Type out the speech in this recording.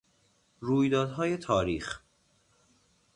رویدادهای تاریخ